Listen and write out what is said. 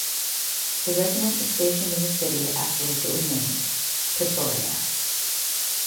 The Regiment is stationed in the city after which it was named, Pretoria.